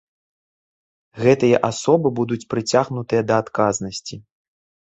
Гэтыя асобы будуць прыцягнутыя да адказнасці.